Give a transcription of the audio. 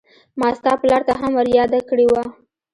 ما ستا پلار ته هم ور ياده کړې وه.